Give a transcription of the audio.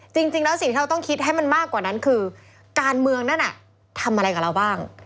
จริงแล้วสิ่งที่เราต้องคิดให้มันมากกว่านั้นคือการเมืองนั่นน่ะทำอะไรกับเราบ้าง